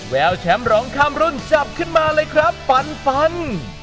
แววแชมป์ร้องข้ามรุ่นจับขึ้นมาเลยครับฟันฟัน